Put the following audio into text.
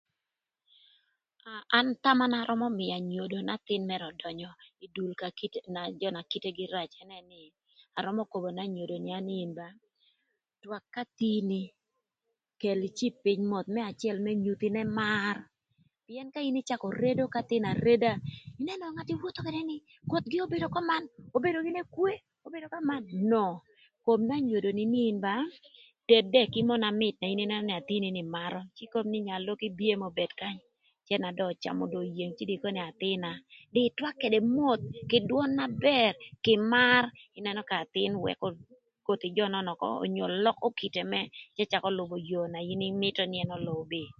An thama na an arömö mïö anyodo n'athïn mërë ödönyö ï dul ka jö na kitegï reco ënë nï arömö kobo n'anyodo nï twak k'athïn-ni kel icib pïny moth cë inyuth nïnë mar pïën ka in ïcakö redo k'athïn areda ïnënö ngat iwotho ködë ni obedo gïnï köman, obedo gïnï ekwoe, obedo köman no, kob n'anyodo nï in ba ted mönö dëk mö na mït n'athïn-ni marö ikob nï nya loki bin mönö kany ka dong öcamö oyeng, ikobo nï athïn-na ïtwak ködë moth kï dwön na bër kï mar ïnënö k'athïn wëkö koth jö nön ökö onyo lökö kite mërë cë lübö yoo na myero ën ölübï.